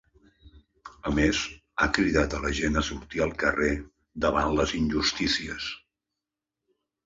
A més, ha cridat a la gent a sortir al carrer davant les injustícies.